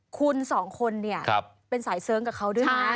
คุณสองคนเนี่ยเป็นสายเสริงกับเขาด้วยนะ